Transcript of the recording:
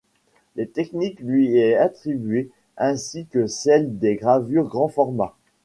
Cette technique lui est attribuée ainsi que celle des gravures grand format.